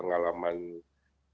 enggak ada masyarakat